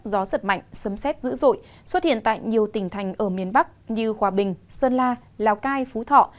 gió giật mạnh sấm xét dữ dội xuất hiện tại nhiều tỉnh thành ở miền bắc như hòa bình sơn la lào cai phú thọ